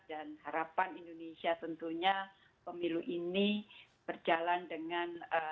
dan harapan indonesia tentunya pemilu ini berjalan dengan